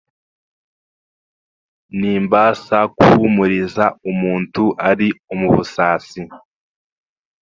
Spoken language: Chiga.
Nimbaasa kuhuumuriza omuntu ari omu busaasi